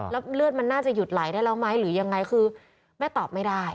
แล้วเลือดมันน่าจะหยุดไหลได้แล้วไหมหรือยังไงคือแม่ตอบไม่ได้